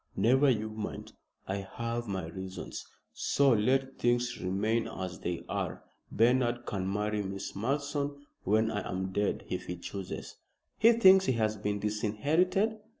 "Never you mind. I have my reasons, so let things remain as they are. Bernard can marry Miss Malleson when I am dead if he chooses." "He thinks he has been disinherited?"